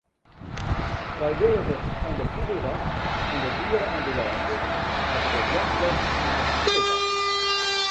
Frijwilligers fan de Fûgelwacht en de diere-ambulânse hawwe op jacht west nei stikelbargen.